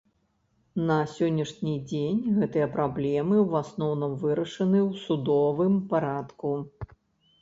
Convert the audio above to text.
На сённяшні дзень гэтыя праблемы ў асноўным вырашаны ў судовым парадку.